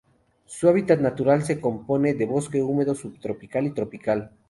Su hábitat natural se compone de bosque húmedo subtropical y tropical.